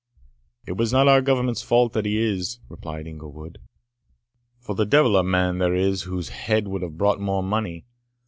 "It was not our Government's fault that he is," replied Inglewood, "for the devil a man there is whose head would have brought more money.